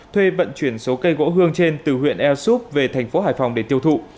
thuê vận chuyển số cây gỗ hương trên từ huyện ea súp về thành phố hải phòng để tiêu thụ